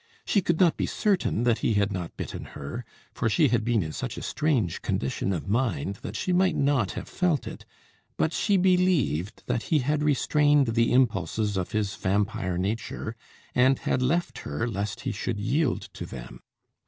She could not be certain that he had not bitten her, for she had been in such a strange condition of mind that she might not have felt it, but she believed that he had restrained the impulses of his vampire nature, and had left her, lest he should yet yield to them.